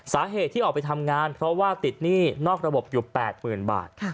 สาเหตุที่ออกไปทำงานเพราะว่าติดหนี้นอกระบบอยู่๘๐๐๐บาท